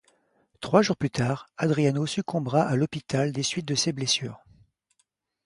Trois jours plus tard, Adriano succombera à l'hôpital des suites de ses blessures.